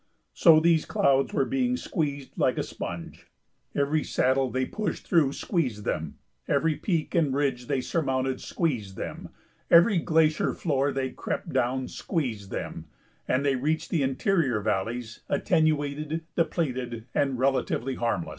So these clouds were being squeezed like a sponge; every saddle they pushed through squeezed them; every peak and ridge they surmounted squeezed them; every glacier floor they crept down squeezed them, and they reached the interior valleys attenuated, depleted, and relatively harmless.